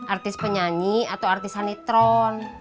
artis penyanyi atau artis hanetron